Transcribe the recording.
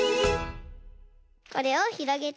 これをひろげて。